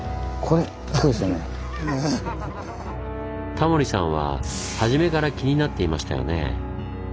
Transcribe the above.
タモリさんは初めから気になっていましたよね。